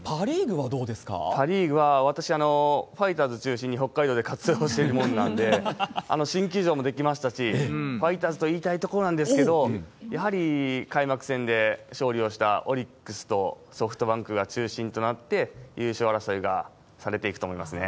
パ・リーグは、私、ファイターズ中心に北海道で活動をしているもんなんで、新球場も出来ましたし、ファイターズと言いたいところなんですけれども、やはり開幕戦で勝利をしたオリックスとソフトバンクが中心となって、優勝争いがされていくと思いますね。